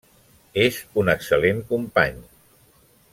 És un excel·lent company…